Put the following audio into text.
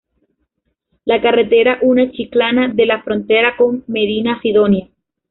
La carretera une Chiclana de la Frontera con Medina Sidonia.